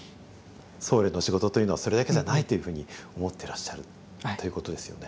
僧侶の仕事というのはそれだけじゃないというふうに思ってらっしゃるということですよね。